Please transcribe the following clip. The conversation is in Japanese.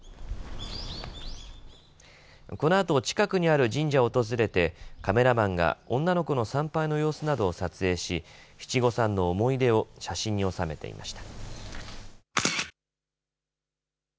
このあと近くにある神社を訪れてカメラマンが女の子の参拝の様子などを撮影し七五三の思い出を写真に収めていました。